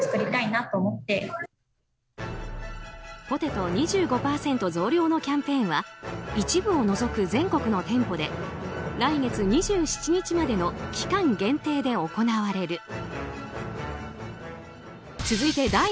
ポテト２５％増量のキャンペーンは一部を除く全国の店舗で来月２７日までの期間限定で行われる。